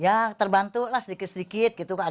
ya terbantu lah sedikit sedikit